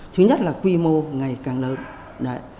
thứ nhất là quy mô ngày càng lớn